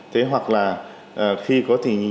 thế hoặc là khi có thì nhìn là có đá